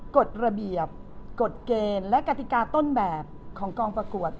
กฎระเบียบกฎเกณฑ์และกติกาต้นแบบของกองประกวด